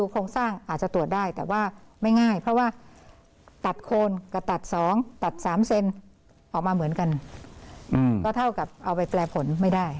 ก็เท่ากับเอาไปแปลผลไม่ได้